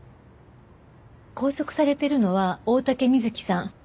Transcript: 拘束されているのは大竹瑞希さん。